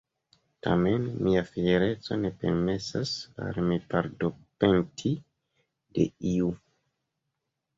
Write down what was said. Tamen mia fiereco ne permesas al mi pardonpeti de iu.